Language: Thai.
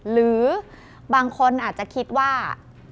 หรือบางคนอาจจะคิดว่า